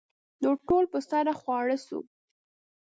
نو ټول به سره خواره سو.